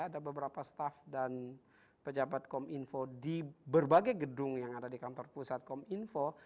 ada beberapa staff dan pejabat kom info di berbagai gedung yang ada di kantor pusat kom info